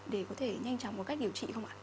để có thể nhanh chóng có cách điều trị không ạ